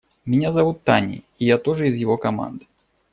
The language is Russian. Меня зовут Таней, и я тоже из его команды.